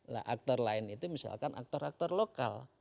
nah aktor lain itu misalkan aktor aktor lokal